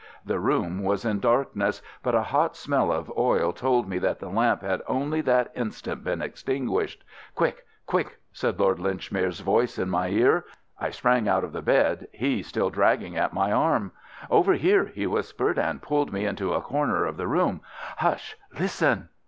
The room was in darkness, but a hot smell of oil told me that the lamp had only that instant been extinguished. "Quick! Quick!" said Lord Linchmere's voice in my ear. I sprang out of bed, he still dragging at my arm. "Over here!" he whispered, and pulled me into a corner of the room. "Hush! Listen!"